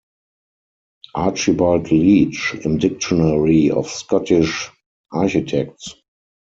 Archibald Leitch im Dictionary of Scottish Architects